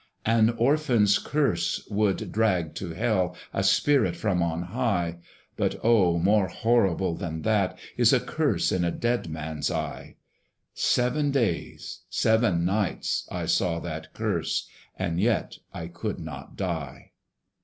An orphan's curse would drag to Hell A spirit from on high; But oh! more horrible than that Is a curse in a dead man's eye! Seven days, seven nights, I saw that curse, And yet I could not die.